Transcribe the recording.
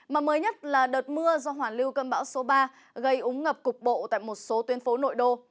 mà mới nhất là đợt mưa do hoàn lưu cơn bão số ba gây úng ngập cục bộ tại một số tuyên phố nội đô